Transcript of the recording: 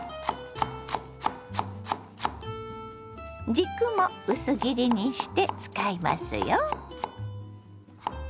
軸も薄切りにして使いますよ。